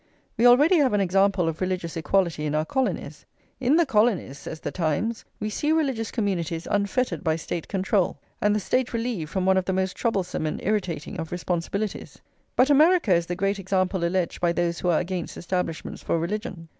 We already have an example of religious equality in our colonies. "In the colonies," says The Times, "we see religious communities unfettered by [xxvi] State control, and the State relieved from one of the most troublesome and irritating of responsibilities." But America is the great example alleged by those who are against establishments for religion.